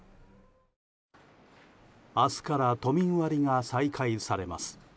明日から都民割が再開されます。